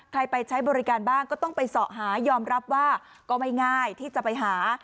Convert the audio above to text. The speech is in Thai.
ไปใช้บริการบ้างก็ต้องไปเสาะหายอมรับว่าก็ไม่ง่ายที่จะไปหา